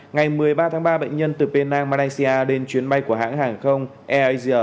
ngày một mươi ba tháng ba bệnh nhân từ penang malaysia lên chuyến bay của hãng hàng không air asia